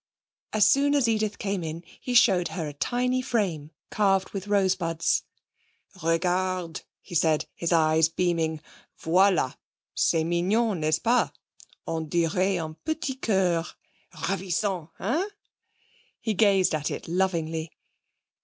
As soon as Edith came in he showed her a tiny frame carved with rosebuds. 'Regarde,' he said, his eyes beaming. 'Voilà! C'est mignon, n'est ce pas? On dirait un petit coeur! Ravissante, hein?' He gazed at it lovingly.